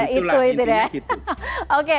nah itulah intinya gitu